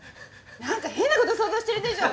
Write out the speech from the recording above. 何か変なこと想像してるでしょ。